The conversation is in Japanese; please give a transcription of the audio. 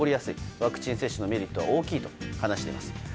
ワクチン接種のメリットは大きいと話しています。